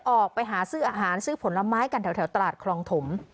ออกไปหาซื้ออาหารซื้อผลไม้กันแถวตลาดคลองถม